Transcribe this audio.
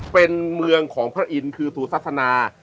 เป็นเมืองของพระอินทร์คือสุศาสนา